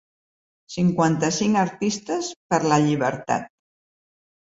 Cinquanta-cinc artistes per la llibertat.